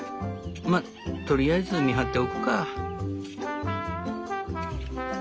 まとりあえず見張っておくか」。